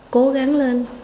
cố gắng lên